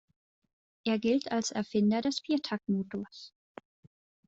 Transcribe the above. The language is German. Er gilt als Erfinder des Viertaktmotors.